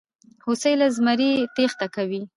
هوسۍ له زمري تېښته کوي.